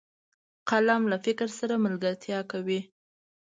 قلم له فکر سره ملګرتیا کوي